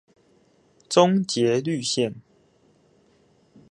中捷綠線